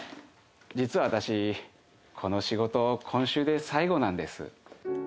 実は私この仕事今週で最後なんです。